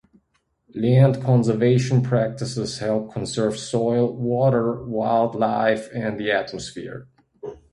Land conservation practices help conserve soil, water, wildlife, and the atmosphere.